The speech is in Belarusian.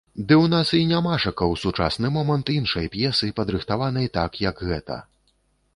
Ды ў нас і нямашака ў сучасны момант іншай п'есы, падрыхтаванай так, як гэта.